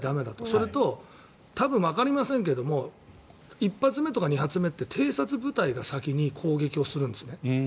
それと多分わかりませんけど１発目とか２発目って偵察部隊が先に攻撃をするんすね。